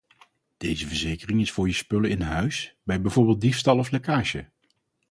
Deze verzekering is voor je spullen in huis, bij bijvoorbeeld diefstal of lekkage.